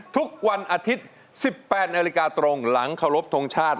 ทุกวันอาทิตย์๑๘นาฬิกาตรงหลังเคารพทงชาติ